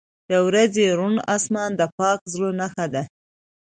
• د ورځې روڼ آسمان د پاک زړه نښه ده.